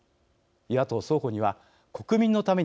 与野党双方には、国民のために